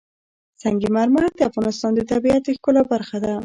سنگ مرمر د افغانستان د طبیعت د ښکلا برخه ده.